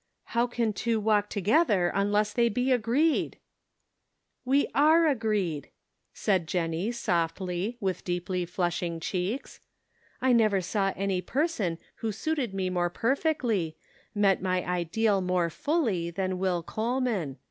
•" How can two walk together unless the}* be agreed?" " We are agreed," said Jennie, softly, with deeply flushing cheeks. " I never saw any person who suited me more perfectly, met my ideal more fully, than Will Coleman.